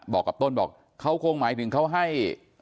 บอกกับต้นบอกเขาคงหมายถึงเขาให้